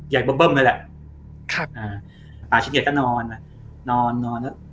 ใหญ่เบิ้มเบิ้มเลยแหละครับอ่าป่าชิ้นเหยียดก็นอนแหละนอนนอนแล้ว